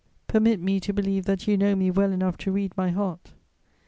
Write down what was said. Permit me to believe that you know me well enough to read my heart.